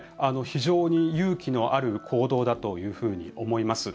非常に勇気のある行動だと思います。